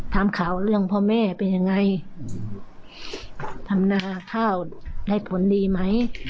ถามข่าวเรื่องพ่อแม่เป็นยังไงทำนาข้าวได้ผลดีไหม